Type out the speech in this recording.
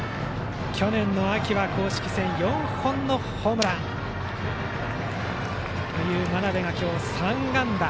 去年秋は公式戦４本のホームランという真鍋が３安打。